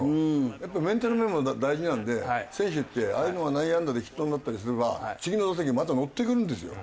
やっぱメンタル面も大事なんで選手ってああいうのが内野安打でヒットになったりすれば次の打席またノッてくるんですよ。